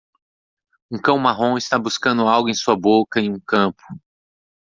Um cão marrom está buscando algo em sua boca em um campo.